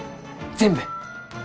全部！？